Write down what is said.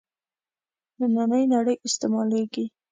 نننۍ نړۍ استعمالېږي.